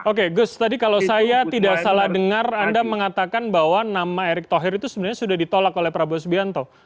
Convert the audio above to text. oke gus tadi kalau saya tidak salah dengar anda mengatakan bahwa nama erick thohir itu sebenarnya sudah ditolak oleh prabowo subianto